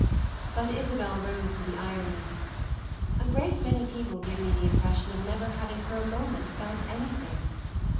But Isabel rose to the irony. "A great many people give me the impression of never having for a moment felt anything."